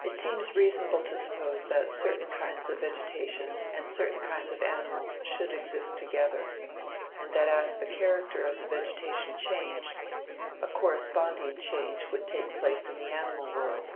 It seems reasonable to suppose that certain kinds of vegetation and certain kinds of animals should exist together, and that as the character of the vegetation changed, a corresponding change would take place in the animal world.